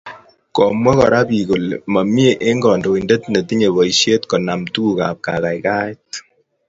Konwt Kora bik kole momie eng kandoindet netinyei boisiet konam tugukab kakaikaet